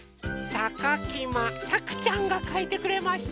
さかきまさくちゃんがかいてくれました。